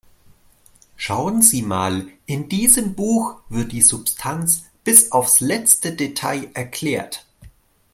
Schauen Sie mal, in diesem Buch wird die Substanz bis aufs letzte Detail erklärt.